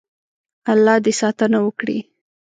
الله دې ساتنه وکړي.